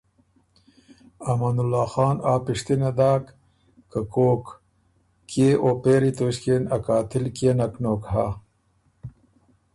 امان الله خان آ پِشتِنه داک که ”کوک، کيې او پېری توݭکيې ن ا قاتل کيې نک نوک هۀ؟“